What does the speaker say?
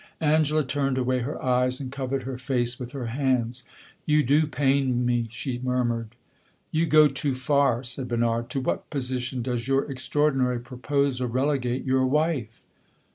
Angela turned away her eyes and covered her face with her hands. "You do pain me!" she murmured. "You go too far," said Bernard. "To what position does your extraordinary proposal relegate your wife?"